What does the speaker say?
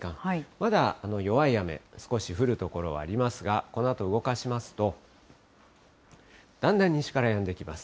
まだ弱い雨、少し降る所はありますが、このあと動かしますと、だんだん西からやんできます。